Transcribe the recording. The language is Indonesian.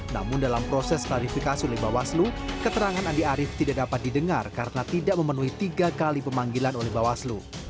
namun dalam proses klarifikasi oleh bawaslu keterangan andi arief tidak dapat didengar karena tidak memenuhi tiga kali pemanggilan oleh bawaslu